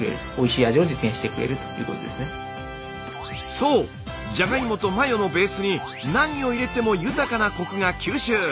そうじゃがいもとマヨのベースに何を入れても豊かなコクが吸収。